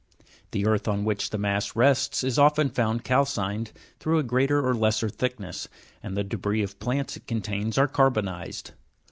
The earth on which the mass rests is often found calcined through a great er or less thickness, and the debris Fig. 276. Appendages of basa'lt of plants it contains are carbonised.